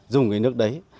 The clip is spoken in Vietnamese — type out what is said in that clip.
dùng cái nước đấy